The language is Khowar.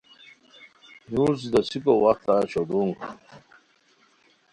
یورج دوسیکو وختہ شودونگ